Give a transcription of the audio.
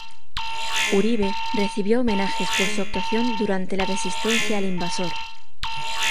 Uribe recibió homenajes por su actuación durante la resistencia al invasor.